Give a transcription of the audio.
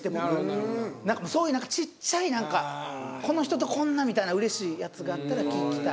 そういうちっちゃい何かこの人とこんなみたいなうれしいやつがあったら聞きたい。